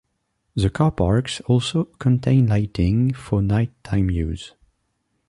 The car-parks also contain lighting for night time use.